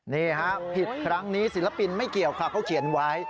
นี่ฮะผิดครั้งนี้ศิลปินไม่เกี่ยวค่ะเขาเขียนไว้